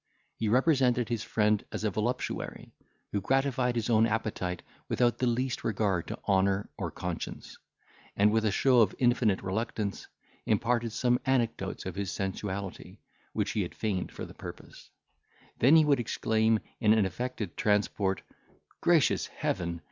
He represented his friend as a voluptuary, who gratified his own appetite without the least regard to honour or conscience; and, with a show of infinite reluctance, imparted some anecdotes of his sensuality, which he had feigned for the purpose; then he would exclaim in an affected transport, "Gracious Heaven!